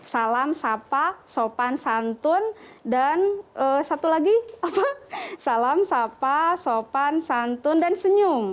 salam sapa sopan santun dan satu lagi salam sapa sopan santun dan senyum